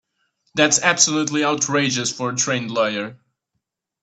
That's absolutely outrageous for a trained lawyer.